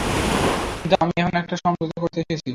কিন্তু আমি এখন একটা সমঝোতা করতে এসেছি।